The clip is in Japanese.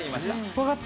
わかった！